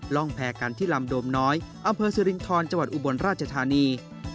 ร่องแพ้กันที่ลำโดมน้อยอำเภอสิรินทรจังหวัดอุบลราชธานี